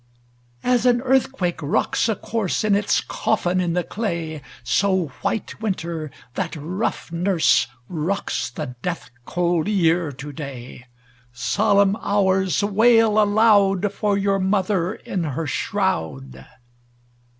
II As an earthquake rocks a corse In its coffin in the clay, So White Winter, that rough nurse. Rocks the death cold year to day; Solemn hours ! wail aloud For your mother in her shroud.